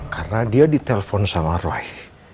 karena dia di telpon sama roy